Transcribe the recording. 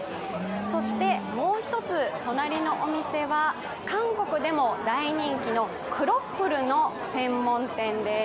そしてもう一つ隣のお店は韓国でも大人気のクロッフルの専門店です。